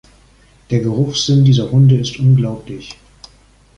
Der Geruchssinn dieser Hunde ist unglaublich.